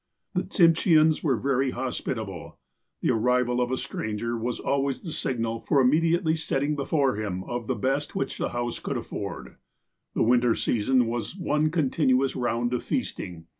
The Tsimsheans were very hospitable. The arrival of a stranger was always the signal for immediately setting before him of the best which the house could afford. The winter season was one continuous round of feast ing.